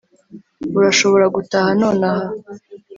urashobora gutaha nonaha